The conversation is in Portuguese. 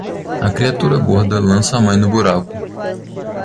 A criatura gorda lança a mãe no buraco.